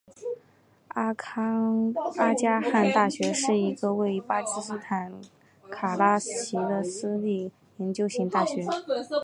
阿迦汗大学是一座位于巴基斯坦卡拉奇的私立研究型大学。